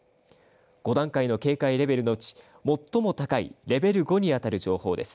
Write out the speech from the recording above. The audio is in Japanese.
５段階の警戒レベルのうち最も高いレベル５にあたる情報です。